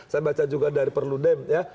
saya baca juga dari perludem ya